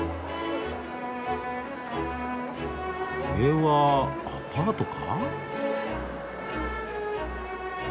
上はアパートか？